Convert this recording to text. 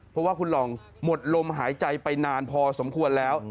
เพราะว่าคุณหล่องหมดลมหายใจไปนานพอสมควรแล้ว